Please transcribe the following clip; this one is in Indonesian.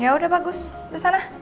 yaudah bagus kesana